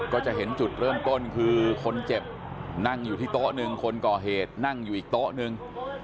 ก็จะเห็นจุดเริ่มต้นคือคนเจ็บนั่งอยู่ที่โต๊ะหนึ่งคนก่อเหตุนั่งอยู่อีกโต๊ะนึง